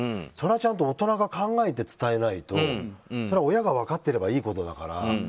それはちゃんと大人が考えて伝えないとそりゃ親が分かってればいいことだから。